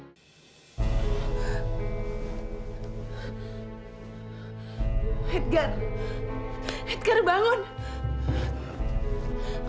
sampai jumpa di video selanjutnya